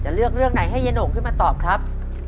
เลือกเรื่องไหนให้ยายโหน่งขึ้นมาตอบครับ